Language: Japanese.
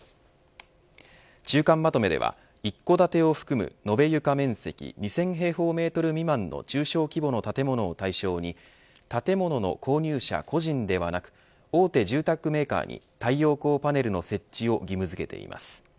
中間まとめでは一戸建てを含む延べ床面積２０００平方メートル未満の中小規模の建物を対象に建物の購入者個人ではなく大手住宅メーカーに太陽光パネルの設置を義務付けています。